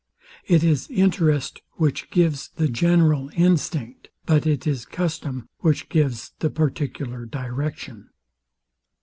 It is interest which gives the general instinct; but it is custom which gives the particular direction.